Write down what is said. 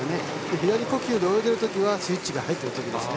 左呼吸で泳いでいるときはスイッチが入っているときですね。